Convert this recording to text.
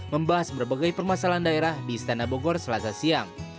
membahas berbagai permasalahan daerah di istana bogor selasa siang